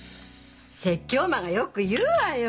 説教魔がよく言うわよ！